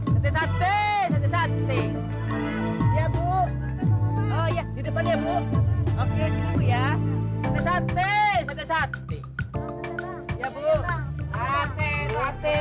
sate sate sate sate ya bu oh ya di depan ya bu oke sini ya sate sate sate sate ya bu